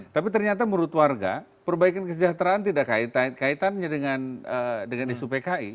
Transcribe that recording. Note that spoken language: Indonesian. tapi ternyata menurut warga perbaikan kesejahteraan tidak kaitannya dengan isu pki